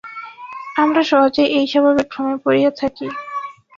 আমরা সহজেই এই স্বাভাবিক ভ্রমে পড়িয়া থাকি।